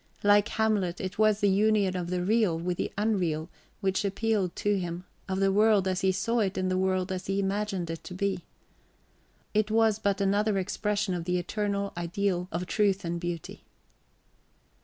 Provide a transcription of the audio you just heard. Like Hamlet, it was the union of the real with the unreal which appealed to him, of the world as he saw it and the world as he imagined it to be. It was but another expression of the eternal ideal of truth and beauty.